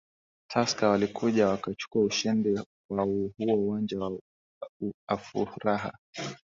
tusker walikuja wakachukua ushindi kwa huo uwanja wa afuraha